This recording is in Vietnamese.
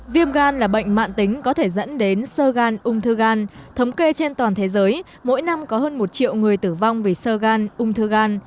viêm gan là bệnh mạng tính có thể dẫn đến sơ gan ung thư gan thống kê trên toàn thế giới mỗi năm có hơn một triệu người tử vong vì sơ gan ung thư gan